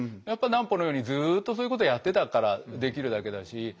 やっぱ南畝のようにずっとそういうことやってたからできるだけだし。